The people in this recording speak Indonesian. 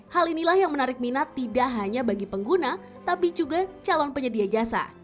hal inilah yang menarik minat tidak hanya bagi pengguna tapi juga calon penyedia jasa